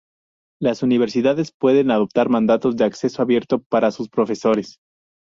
Las universidades pueden adoptar mandatos de acceso abierto para sus profesores.